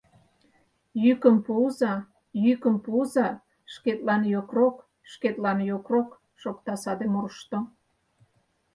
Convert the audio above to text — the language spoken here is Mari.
«Йӱкым пуыза-йӱкым пуыза, шкетлан — йокрок, шкетлан — йокрок!» — шокта саде мурышто.